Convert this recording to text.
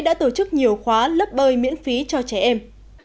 đã tổ chức nhiều khóa lớp bơi miễn phí cho trẻ em